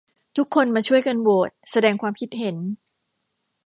ทุกคนมาช่วยกันโหวต แสดงความคิดเห็น